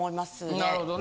なるほどね。